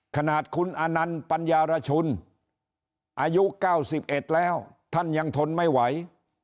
ขนาดคุณอนันต์ปัญญารชุนอายุ๙๑แล้วท่านยังทนไม่ไหว